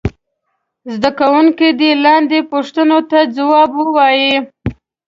زده کوونکي دې لاندې پوښتنو ته ځواب ووايي.